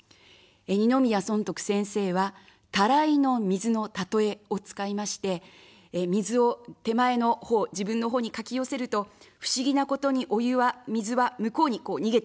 二宮尊徳先生は、たらいの水のたとえを使いまして、水を手前の方、自分の方にかき寄せると、不思議なことにお湯は水は向こうにこう逃げていく。